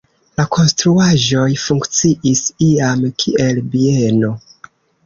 La konstruaĵoj funkciis iam kiel bieno.